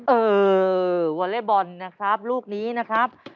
เออวอเล็กบอลนะครับลูกนี้นะครับ